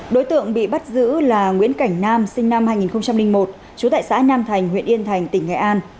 đối tượng bị bắt giữ là nguyễn cảnh nam sinh năm hai nghìn một trú tại xã nam thành huyện yên thành tỉnh nghệ an